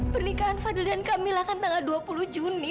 pernikahan fadil dan kamilah kan tanggal dua puluh juni